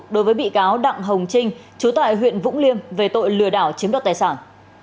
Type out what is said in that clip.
đối với bị cáo đặng hồng trinh chú tại huyện vũng liêm về tội lừa đảo chiếm đoạt tài sản